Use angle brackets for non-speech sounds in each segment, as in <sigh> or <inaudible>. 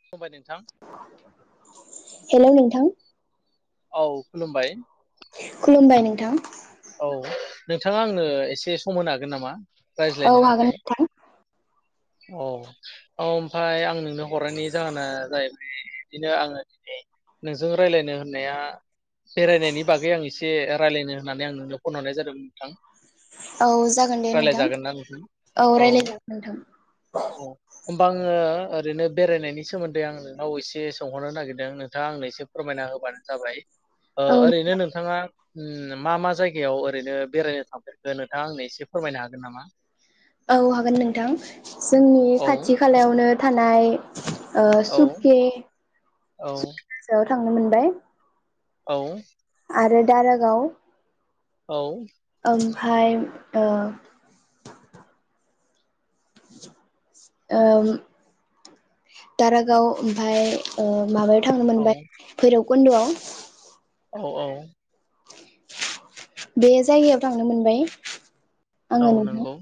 <unintelligible> नोंथां हेल' नोंथां औ खुलुमबाय खुलुमबाय नोंथां औ नोंथाङा आंनो एसे सम होनो हागोन नामा रायज्लायनो हागोन थाखाय नोंथां औ औ ओमफ्राय आं नोंनाव हरनायनि जाहोना जाहैबाय बिदिनो आङो दिनै नोंजों रायलायनो होननाया बेरायनायनि बागै आं एसे रायलायनो होननानै आं नों नोंनो फन हरनाय जादों नोंथां औ जागोन दे नोंथां रायज्लायजागोन ना नोंथां औ रायलाय जागोन नोंथां औ होमबा आङो ओरैनो बेरायनायनि सोमोन्दै आं नोंनाव एसे सोंहरनो नागिरदों नोंथाङा आंनो एसे फोरमायना होबानो जाबाय औ ओरैनो नोंथाङा मा मा जायगा जायगायाव ओरैनो बेरायनो थांफेरखो नोंथाङा आंनो एसे फोरमायनो हागोन नामा औ हागोन नोंथां जोंनि औ खाथि खालायावनो थानाय <inaudible> ओ औ सुखि औ थांनो मोनबाय औ आरो दारागाव औ ओमफाय ओ ओ दारागाव ओमफाय ओ माबायाव थांनो औ मोनबाय भैरब खन्दुआव औ औ बे जायगायाव थांनो मोनबाय आङो औ नोंथां नोंगौ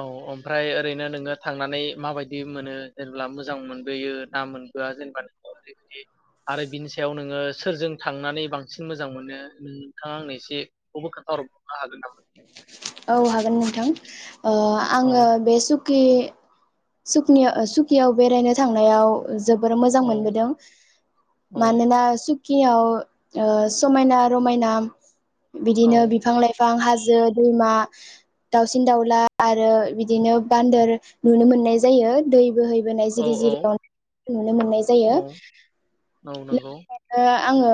औ ओमफ्राय ओरैनो नोङो थांनानै माबायदि मोनो जेनेबा मोजां मोनबोयो ना मोनबोआ जेनेबा ओरैबायदि आरो बिनि सायाव नोङो सोरजों थांनानै बांसिन मोजां मोनो नोंथाङा आंनो एसे एखौबो खोनथाहर बावनो हागोन नामा औ हागोन नोंथां ओ औ आङो बे सुु खि सुकनि ओ सुकियाव बेरायनो थांनायाव जोबोर मोजां औ मोनबोदों औ मानोना सु खियाव ओ समायना रमायना औ बिदिनो बिफां लाइफां हाजो मा दाउसिन दाउला आरो बिदिनो बान्दोर नुनो मोननाय जायो। दै बोहै बोनाय औ जिरि औ जिरिआव नुनो मोननाय जायो। औ औ नंगौ लोगोसे आङो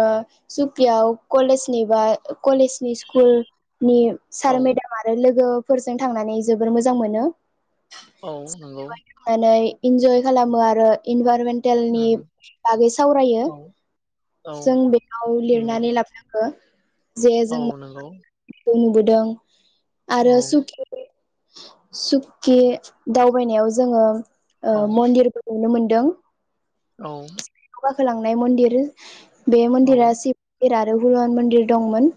सुकियाव कलेजनि बा कलेजनि स्कुल औ सार मेडाम आरो लोगो फोरजों थांनानै जोबोर मोजां मोनो। औ नंगौ। इनजय खालामो आरो इनभारनमेन्ट टेलनि उम बागै सावरायो। औ औ जों बेयाव नंगौ लिरनानै लाबो नांगौ। ओ औ नोंगौ। खौ नुबोदों। आरो सुकि सुकि दावबायनायाव जोङो ओ औ मन्दिरबो नुनो मोन दों। औ गाखोलांनाय मन्दिर बे औ मन्दिरा सिब <inaudible> आरो हनुमान मन्दिर दंमोन।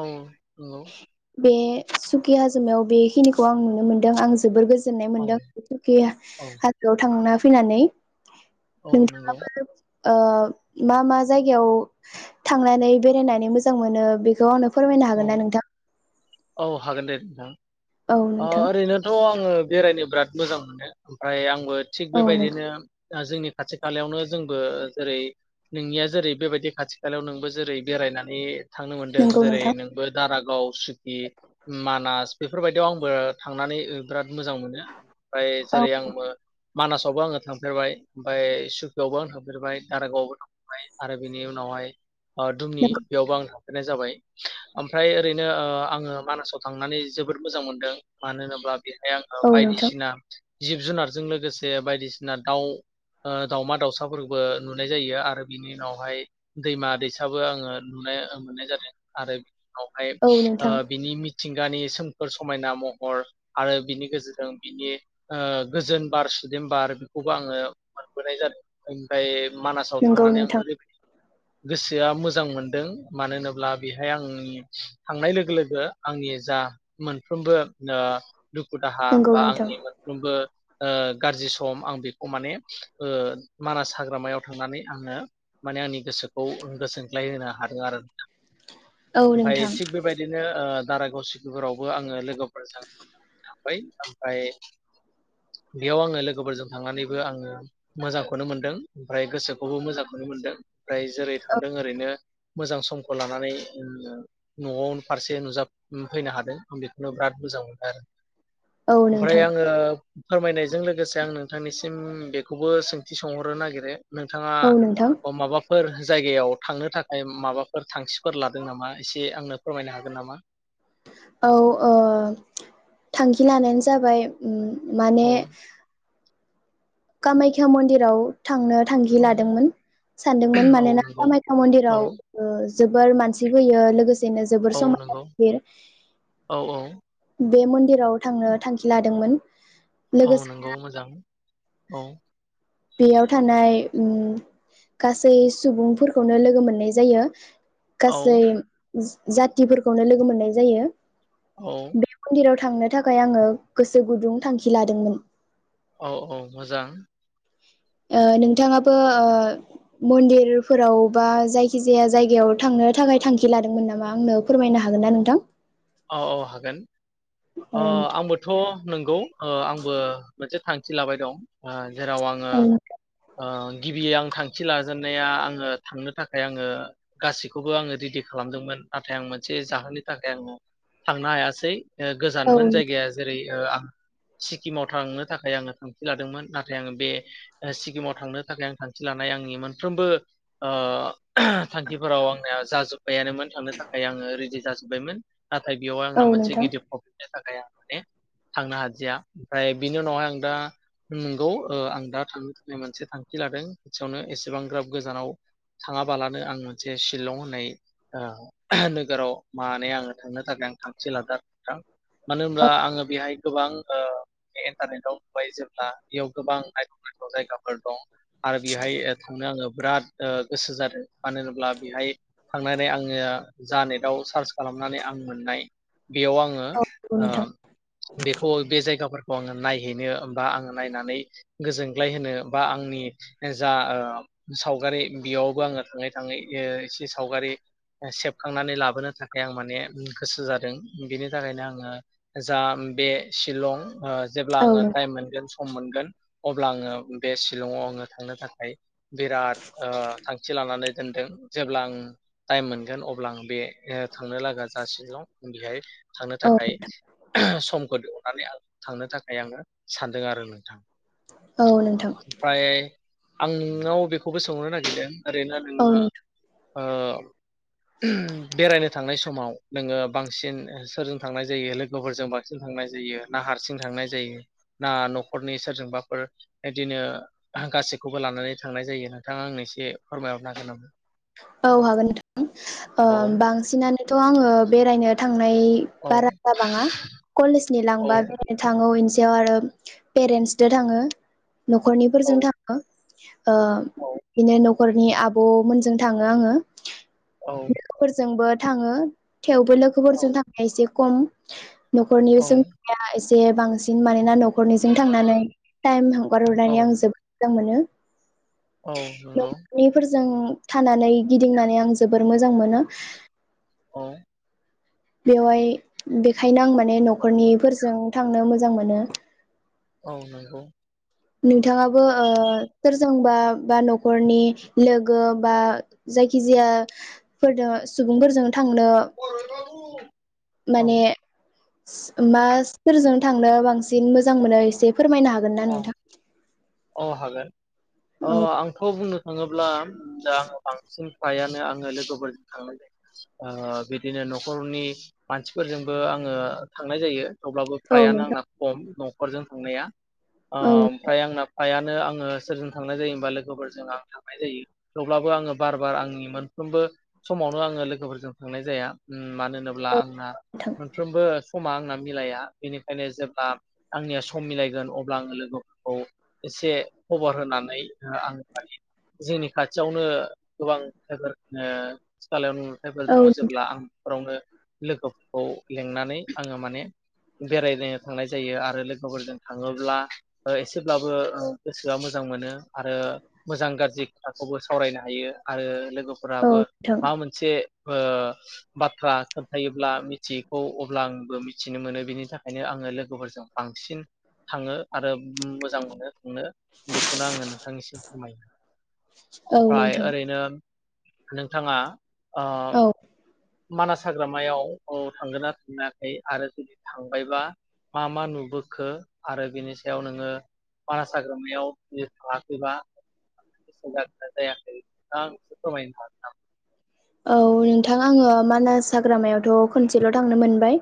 औ नंगौ। बे सुकि हाजोमायाव बेखिनिखौ आं नुनो मोन्दों आं जोबोर गोजोन नाय औ मोनदों सुकि औ हाजोआव थांना फैनानै औ नंगौ नोंथाङाबो ओ मा मा जायगायाव थांनानै बेरायनानै मोजां मोनो बेखौ आंनो फोरमायनो औ हागोन नों औ हागोन दे नोंथां। औ ओ नोंथां ओरैनोथ आङो बेरायनो बिराद मोजां मोनो ओमफाय आंबो थिग औ बेबायदिनो दा जोंनि खाथि खालायावनो जोंबो जेरै नोंनिया जेरै बेबायदि खाथि खालायाव नोंबो जेरै बेरायनानै थांनो मोन्दों। नंगौ जेरै नोंथां नोंबो दारागाव सुकि मानास बेफोरबायदि बेयाव आंबो थांनानै ओ बिराद मोजां मोनो ओमफ्राय औ जेरै आंबो मानासावबो आङो थांफेरबाय ओमफाय सुकियावबो आं थांफेरबाय दारागावआवबो थांफेरबाय आरो बिनि उनावहाय ओ दुमनि नंगौ बेयावबो आं थां नाय जाबाय ओमफ्राय ओरैनो ओ आङो मानासाव थांनानै जोबोद मोजां मोनदों मानो होनोब्ला बेहाय आङो औ नोंथां बायदिसिना जिब जुनारजों लोगोसे बायदिसिना दाउ ओ दावमा दाउसाफोरबो नुनाय जायो आरो बिनि उनावहाय दैमा दैसाबो आङो नुनाय मोननाय जादों आरो उनाव हाय औ नोंथां ओ बिनि मि मिथिंगानि सोम खोर समायना महर आरो बिनि गेजेरजों बिनि ओ गोजोन बार सुदेम बार बेखौबो आङो मोनबोनाय जादों ओमफाय मानासाव नंगौ थांनानै आं नोंथां ओरैबायदि गोसोआ मोजां मोनदों मानो होनोब्ला बेहाय आंनि थांनाय लोगो लोगो आंनि जा मोनफ्रोमबो ओ दुखु दाहा नंगौ बा नोंथां आंनि मोनफ्रोमबो ओ गारज्रि सम आं बेखौ माने ओ मानास हाग्रामायाव थांनानै आंनो माने आंनि गोसोखौ गोजोनग्लाय होनो हादों आरो नोंथां। औ ओमफाय नोंथां थिग बेबायदिनो ओ दारागाव सिखि फोराव बो आङो लोगो मोजां नोंथां ओमफाय आमफाय बेयाव आङो लोगोफोरजों थांनानैबो आङो मोजांखौनो मोनदों ओमफ्राय गोसोखौबो मोजांखौनो मोनदों। ओमफ्राय जेरै थांदों ओरैनो मोजां समखौ लानानै ओ न'आव फारसे नुजा फैनो हादों। बेखौनो बिराद मोजां मोनबाय आरो। औ ओमफ्राय नोंथां आङो फोरमायनायजों लोगोसे आं नोंथांनिसिम बेखौबो सोंथि सोंहरनो नागिरो नोंथाङा औ नोंथां अ माबाफोर जायगायाव थांनो थाखाय माबाफोर थांखिफोर लादों नामा एसे आंनो फोरमायनो हागोन नामा औ ओ थांखि लानायानो जाबाय उम माने औ कामायख्या मन्दिराव थांनो थांखि औ लादोंमोन सानदोंमोन औ मानोना नंगौ कामायख्या औ मन्दिराव ओ जोबोर मानसि फैयो लोगोसे नो जोबोर औ नंगौ औ औ <unintelligible> बेे मनदिर राव थांनो थांखि लादोंमोन औ लोगोसे नोंगौ मोजां। औ बेयाव थानाय उम गासै सुबुंफोरखौनो लोगो मोननाय जायो। गासै औ जाथिफोरखौनो लोगो मोननाय जायो। औ बे मन्दिराव थांनो थाखाय आङो गोसो गुदुं थांखि लादोंमोन। औ औ मोजां। ओ नोंथाङाबो मन्दिरफोराव बा जायखिजाया जायगायाव थांनो थाखाय थांखि लादोंमोन नामा आंनो फोरमायनो हागोनना नोंथां? औ औ हागोन। औ ओ आंबोथ नंगौ ओ आंबो मोनसे थांखि लाबाय दं। ओ जेराव आङो ओ गिबि आं थांखि लाजेननाया आङो थांनो थाखाय आङो गासैखौबो आङो रेडि खालामदोंमोन नाथाय आं मोनसे जाहोननि थाखाय आङो थांनो हायासै। गोजानमोन जायगाया। जेरै आं सिक्किमाव थांनो थाखाय आङो थांखि लादोंमोन। नाथाय आङो बे सिक्किमाव थांनो थाखाय आं थांखि लानाय आंनि मोनफ्रोमबो ओ थांखिफोराव आंना जाजोब्बायानोमोन थांनो थाखाय आङो रेडि जाजोब्बायमोन। नाथाय बेयाव आंना मोनसे नोंथां गिदिर प्रब्लेम जादों। थाखाय आं माने थांनो हादिया ओमफ्राय बिनि उनावहाय आं दा नंगौ आं दा थांनो थाखाय मोनसे थांखि लादों खाथियावनो एसेबां ग्राब गोजानाव थाङाबालानो आं मोनसे शिलं होननाय नोगोराव मान आङो थांनो थाखाय आं थांखि लादों। मानो औ होनब्ला आङो बेहाय गोबां इन्टारनेटाव नुबाय जेब्ला बेयाव गोबां नायथाव नायथाव जायगाफोर दं आरो बेहाय थांनो आङो बिराद गोसो जादों मानो होनोब्ला बेहाय थांनानै आङो जा गाव सार्च खालाम थांनानै आं मोननाय बेयाव आङो औ ओ नोंथां बेखौ बे जायगाफोर आङो नायहैनो बा आङो नायनानै गोजोनग्लाय होनो बा आंनि जा सावगारि बेयावबो आङो थाङै थाङै एसे सावगारि सेबखांनानै लाबोनो थाखा आं माने गोसो जादों। नों बिनि थाखायनो आङो जा बे शिलं जेब्ला औ नोंथां औ आङो नोंथां टाइम मोनगोन सम मोनगोन अब्ला आङो बे शिलंयाव आङो थांनो थाखाय बिराद थांखि लानानै दोनदों। जेब्ला आं टाइम मोनगोन अब्ला आं बे थांनो लागा जाासिनो दं। बेहाय थांनो औ थाखाय समखौ दिहुनानै आ थांनो थाखाय आङो सानदों आरो नोंथां औ नोंथां ओमफाय आं नोंनाव बेखौबो सोंहरनो नागिरदों ओरैनो औ नोङो नोंथां ओ बेरायनो थांनाय समाव नोङो बांसिन सोरजों थांनाय जायो लोगोफोरजों बांसिन थांनाय जायो ना हारसिं थांनाय जायो ना न'खरनि सोरजोंबाफोर बिदिनो गासैखौबो लानानै थांनाय जायो नोंथाङा आंनो एसे फोरमायहरनो हागोन नामा। औ हागोन नोंथां औ ओ बांसिनानो थ' आङो बेरायनो थाङो। थांनाय औ बारा जाबाङा कलेज सिंनि औ लांबा बेरायनो थाङो। याव आरो पेरेन्टसजों थाङो औ न'खरनिफोरजों थाङो ओ बिनि न'खरनि आब' मोनजों जों थाङो आङो। औ लोगोफोरजोंबो थाङो थेवबो औ लोगोफोरजों थांनाय एसे खम न'खरनि औ सोंबा एसे जे बांसिन मानोना न'खर न'खरनिजों थांनानै टाइम हगार औ हरनानै आं जोबोद मोजां मोनो। <inaudible> औ नंगौ। जों थानानै गिदिंनानै आं जोबोर मोजां मोनो। औ बेवहाय बेखायनो आं माने न'खरनिफोरजों थांनो मोजां मोनो औ नंगौ नोंथाङाबो ओ सोरजोंबा बा न'खरनि लोगो बा जायखिजायाफोरजों सुबुंफोरजों थांनो औ माने मा सोरजों थांनो बांसिन मोजां मोनो एसे फोरमायनो हागोन ना नोंथाङा? अ हागोन। अ औ आंथ' बुंनो। थाङोब्ला जा बांसिन फ्रायानो आङो लोगोफोरजों थांनाय जायो बिदिनो न'खरनि मानसिफोरजोंबो आङो थांनाय जायो। अब्लाबो औ फ्रायानो नोंथां आंना खम न'खरजों थांनाया औ ओमफ्राय आंना फ्रायानो आङो सोरजों थांनाय जायो हबा लोगोफोरजों आं थांनाय जायो थेवब्लाबो आङो बार बार आंनि मोनफ्रोमबो समावनो आङो लोगोफोरजों थांनाय जाया मानो होनोब्ला नोंथां आंहा मोनफ्रोमबो समा आंना मिलाया बेनिखायनो जेब्ला आंनिया सम मिलायगोन अब्ला आङो लोगोफोरखौ एसे खबर होनानै आं माने जोंनि खाथियावनो गोबां ‌ <unintelligible> खालायाव नुुथायफोर औ दङ नोंथां जेब्ला आं बेफोरावनो लोगोफोरखौ लिंनानै आङो माने बेरायनोनो थांनाय जायो आरो लोगोफोरजों थाङोब्ला ब्ला एसेब्लाबो गोसोआ मोजां मोनो आरो मोजां गाज्रि खोथाखौबो सावरायनो हायो आरो लोगोफोराबो माबा मोनसे बाथ्रा खोन्थायोबब्ला मिथियैखौ अब्ला आंबो मिथिनो मोनो बिनि थाखायनो आङो लोगोफोरजों बांसिन थाङो आरो मोजां मोनो थांनो बेखौनो आङो नोंथांनिसिम फोरमायो औ ओमफ्राय नोंथां ओरैनो नोंथाङा औ आम मानास हाग्रामायाव औ थांगोन ना थांफेराखै आरो जुदि थांबायबा मा मा नुबोखो आरो बेनि सायाव नोङो मानास हाग्रामायाव जुदि थाङाखैबा जागोना जायाखै आं एसे फोरमायनो थागोन नाम औ नोंथां आङो मानास हाग्रामायावथ' खनसेल' थांनो मोनबाय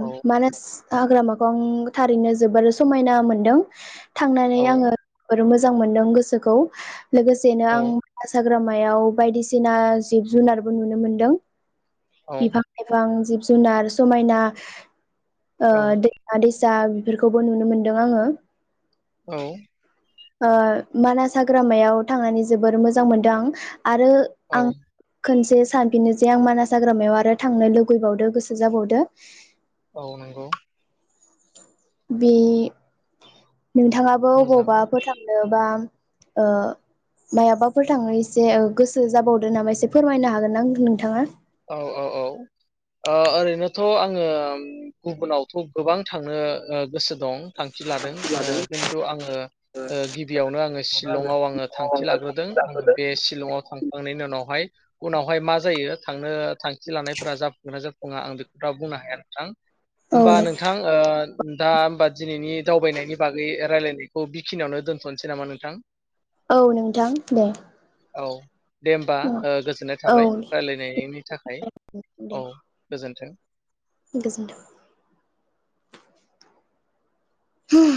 हागोन मानास हाग्रामाखौ आं थारैनो जोबोर समायना मोनदों थांनानै औ आङो जोबोर मोजां मोजां मोनदों गोसोखौ लोगोसेनो औ आं हाग्रामायाव बायदिसिना जिब जुनारबो नुनो मोनदों औ बिफां लाइफां जिब जुनार समायना ओ दैमा दैसा जा बेफोरखौबो नुनो मोनदों आङो औ ओ मानास हाग्रामायाव थांनानै जोबोर मोजां मोनदों आं आरो आं औ खोनसे सानफिनो जे आं मानास हाग्रामायाव आरो थांनो लुुबैबावदो गोसो जाबावदो औ नंगौ बे नोंथाङाबो मोजां अबावबा फोर थांनो बा ओ मायाबाफोर थांनो एसे गोसो जाबावदो नामा एसे फोरमायनो हागोन आं ओ नोंथाङा औ औ औ ओ ओरैनोथ थ' आङो गुबुनावथ' गोबां थांनो ओ गोसो दं फि लादों ओ खिन्थु आङो ओ ओ गिबियावनो आं ओ शिलंआव आङो थांखि लाग्रोदों आङो बे शिलंआव थांखांनायनि उनावहाय उनावहाय मा जायो थांनो थां थांखि लानायफोरा जाफुंगोन ना जाफ फुङा आं बेखौ दा बुंनो हाया नोंथां। औ होमबा नोंथां ओ दा होमबा दिनैनि दावबायनायनि बागै रायलायनायखौ बिखिनियावनो दोनथ'नोसै नामा नोंथां। औ नोंथां दे औ दे होमबा ओ गोजोननाय औ थाबाय रायलाय नेनायनि थाखाय औ गोजोन्थों। गोजोन्थों। <unintelligible>